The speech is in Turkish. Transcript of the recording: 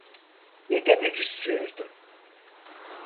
Ne demek istiyordu?